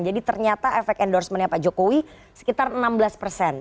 jadi ternyata efek endorsementnya pak jokowi sekitar enam belas persen